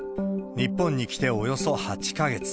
日本に来ておよそ８か月。